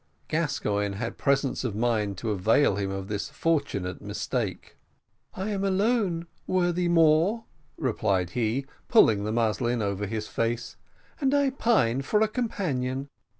Gascoigne had presence of mind to avail himself of this fortunate mistake. "I am alone, worthy Moor," replied he, pulling the muslin more over his face, "and I pine for a companion.